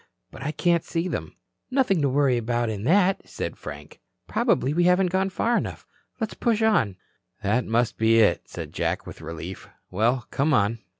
But I can't see them." "Nothing to worry about in that," said Frank. "Probably we haven't gone far enough. Let's push on." "That must be it," said Jack with relief. "Well, come on."